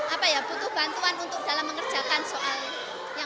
apa ya butuh bantuan untuk dalam mengerjakan soal ini